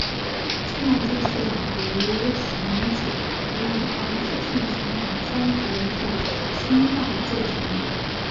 静脉注射毒蕈碱可以引发急性循环衰竭至心脏骤停。